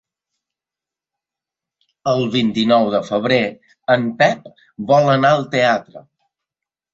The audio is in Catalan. El vint-i-nou de febrer en Pep vol anar al teatre.